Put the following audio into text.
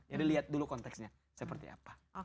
jadi liat dulu konteksnya seperti apa